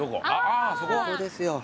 そこですよ。